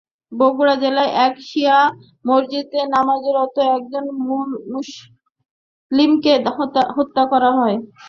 বগুড়া জেলায় এক শিয়া মসজিদে নামাজরত একজন মুসল্লিকে হত্যা করা হয়।